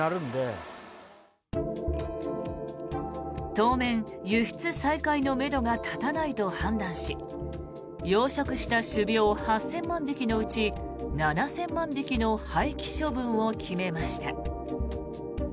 当面、輸出再開のめどが立たないと判断し養殖した種苗８０００万匹のうち７０００万匹の廃棄処分を決めました。